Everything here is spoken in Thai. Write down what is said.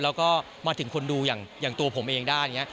แล้วก็มาถึงคนดูอย่างตัวผมเองได้